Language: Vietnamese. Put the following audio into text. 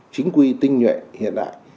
chính quy tinh nhuệ hiện đại